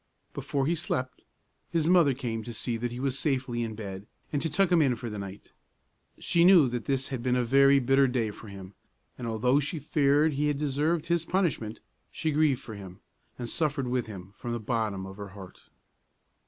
Before he slept, his mother came to see that he was safely in bed, and to tuck him in for the night. She knew that this had been a very bitter day for him, and although she feared he had deserved his punishment, she grieved for him, and suffered with him from the bottom of her heart.